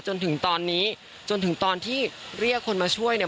จนถึงตอนนี้จนถึงตอนที่เรียกคนมาช่วยเนี่ย